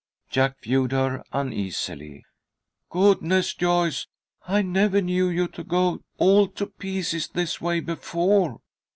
Jack viewed her uneasily. "Goodness, Joyce! I never knew you to go all to pieces this way before.